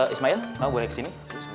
ismail mau boleh kesini